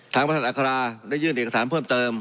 ทางบริษัทอัคราได้ยื่นเอกสารเพิ่มเติม